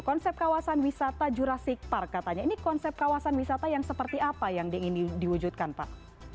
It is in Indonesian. konsep kawasan wisata jurasik park katanya ini konsep kawasan wisata yang seperti apa yang ingin diwujudkan pak